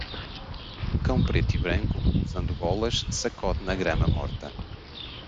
Um cão preto e branco usando golas sacode na grama morta.